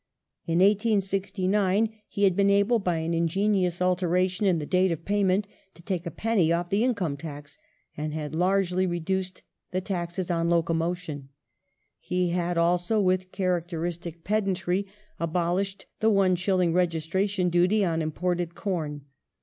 In 1869 he had 416 ADMINISTRATIVE REFORM [1868 been able, by an ingenious alteration in the date of payment, to take a penny off the income tax, and had largely reduced the taxes on locomotion. He had also, with characteristic pedantry, abolished the one shilling registration duty on imported corn.